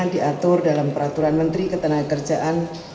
diatur dalam peraturan menteri ketenagakerjaan no enam tahun dua ribu dua puluh satu